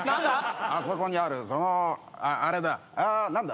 あそこにあるそのあれだ。